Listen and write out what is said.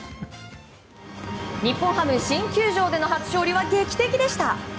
日本ハム、新球場での初勝利は劇的でした。